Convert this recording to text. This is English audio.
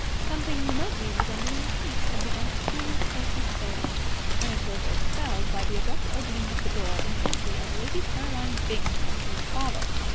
Something remotely resembling peace had begun to steal into Percy's soul, when it was expelled by the abrupt opening of the door and the entry of Lady Caroline Byng and his father.